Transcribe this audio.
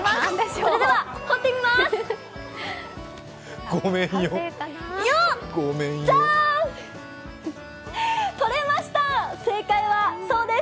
それでは、掘ってみます！